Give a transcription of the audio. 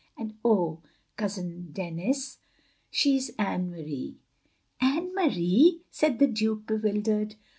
And oh. Cousin Denis, she is Anne Marie. " "Anne Marie!" said the Duke, bewildered.